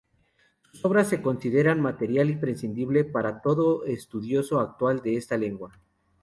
Sus obras se consideran material imprescindible para todo estudioso actual de esta lengua.